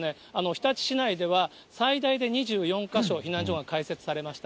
日立市内では、最大で２４か所、避難所が開設されました。